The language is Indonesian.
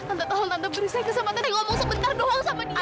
tante tolong tante beri saya kesempatan untuk ngomong sebentar doang sama dia